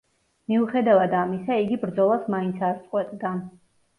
მიუხედავად ამისა, იგი ბრძოლას მაინც არ წყვეტდა.